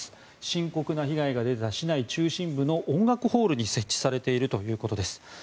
深刻な被害が出た、市内中心部の音楽ホールに設置されているということです。